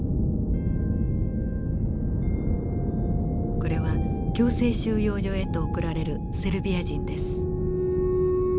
これは強制収容所へと送られるセルビア人です。